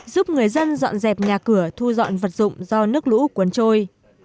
giúp người dân dọn dẹp nhà cửa thu dọn vật dụng do nước lũ cuốn trôi